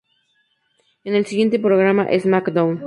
En el siguiente programa de "SmackDown!